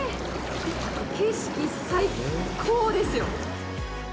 景色、最高ですよ！